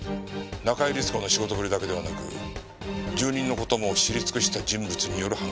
中井律子の仕事ぶりだけではなく住人の事も知り尽くした人物による犯行だ。